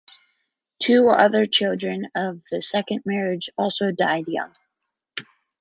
Two other children of the second marriage also died young.